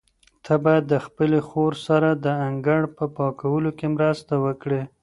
ته باید د خپلې خور سره د انګړ په پاکولو کې مرسته وکړې.